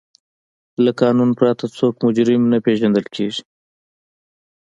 له قانون پرته څوک مجرم نه پیژندل کیږي.